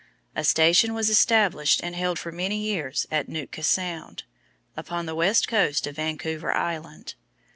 A station was established and held for many years at Nootka Sound, upon the west coast of Vancouver Island.